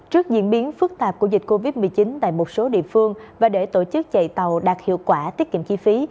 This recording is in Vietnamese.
trước diễn biến phức tạp của dịch covid một mươi chín tại một số địa phương và để tổ chức chạy tàu đạt hiệu quả tiết kiệm chi phí